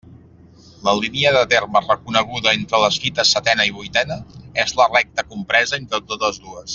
La línia de terme reconeguda entre les fites setena i vuitena és la recta compresa entre totes dues.